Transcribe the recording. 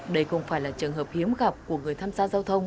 đây không phải là trường hợp hiếm gặp của người tham gia giao thông